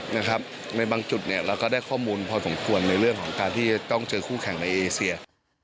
ในบางจุดเราก็ได้ข้อมูลพอสมควรในเรื่องของการที่จะต้องเจอคู่แข่งในเอเซีย